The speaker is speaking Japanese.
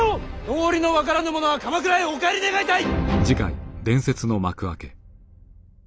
道理の分からぬ者は鎌倉へお帰り願いたい！